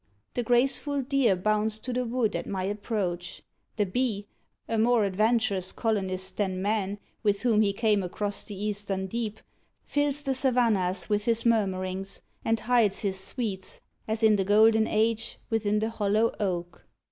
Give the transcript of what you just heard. The graceful deer Bounds to the wood at my approach. The bee, A more adventurous colonist than man, With whom he came across the eastern deep, Fills the savannas with his murmurings, And hides his sweets, as in the golden age, Within the hollow oak.